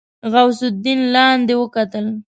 غوث الدين لاندې وکتل.